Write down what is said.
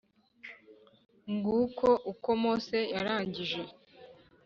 Nguko uko Mose yarangije